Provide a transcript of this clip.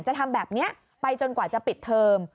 จะทำแบบนี้ไปจนกว่าจะปิดเทอม